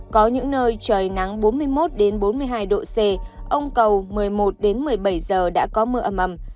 có những nơi trời nắng bốn mươi một bốn mươi hai độ c ông cầu một mươi một một mươi bảy giờ đã có mưa ẩm